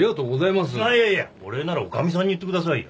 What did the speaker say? いやいやお礼なら女将さんに言ってください。